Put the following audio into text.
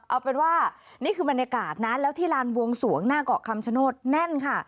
เอาเป็นว่านี่คือบรรยากาศนะแล้วที่ลานบวงสวงหน้าเกาะคำชโนธแน่นค่ะ